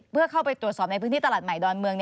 เพื่อเข้าไปตรวจสอบในพื้นที่ตลาดใหม่ดอนเมือง